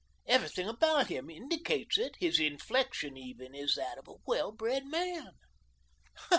Everything about him indicates it; his inflection even is that of a well bred man."